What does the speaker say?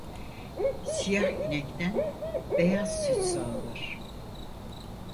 Siyah inekten beyaz süt sağılır.